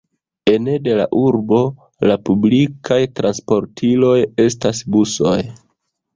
Ene de la urbo, la publikaj transportiloj estas busoj.